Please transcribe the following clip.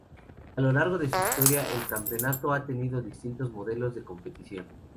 A lo largo de su historia, el campeonato ha tenido distintos modelos de competición.